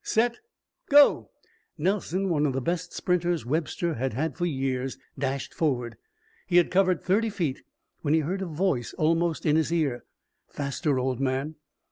"Set? Go!" Nelson, one of the best sprinters Webster had had for years, dashed forward. He had covered thirty feet when he heard a voice almost in his ear. "Faster, old man."